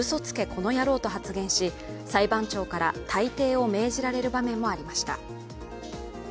この野郎と発言し裁判長から退廷を命じられる場面もありました。